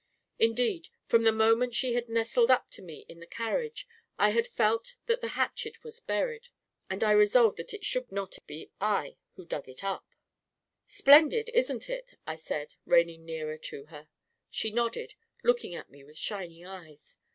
Indeed, from the moment she had nestled up to me in the carriage, I had felt that the hatchet was buried. And I resolved that it should not .be I who dug it up ! 14 Splendid, isn't it?" I said, reining nearer to her. She nodded, looking at me with shining eyes.